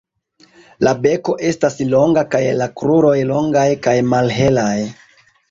La beko estas longa kaj la kruroj longaj kaj malhelaj.